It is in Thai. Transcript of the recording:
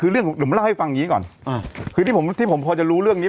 คือเรื่องผมเล่าให้ฟังอย่างงี้ก่อนอ่าคือที่ผมที่ผมพอจะรู้เรื่องนี้